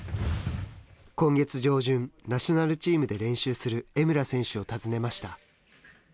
今月上旬ナショナルチームで練習する江村選手を訪ねました。